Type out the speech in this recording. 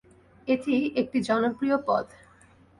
এটি একটি জনপ্রিয় পদ।